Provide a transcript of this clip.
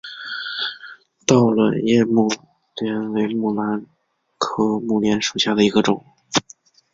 倒卵叶木莲为木兰科木莲属下的一个种。